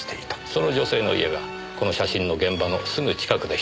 その女性の家がこの写真の現場のすぐ近くでした。